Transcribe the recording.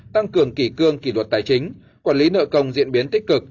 tăng cường kỷ cương kỷ luật tài chính quản lý nợ công diễn biến tích cực